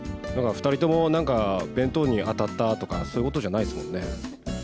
なんか、２人とも弁当にあたったとか、そういうことじゃないですもんね。